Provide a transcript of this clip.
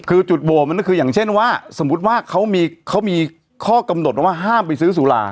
คืออย่างเช่นว่าสมมุติว่าเขามีข้อกำหนดว่าห้ามไปซื้อสุรา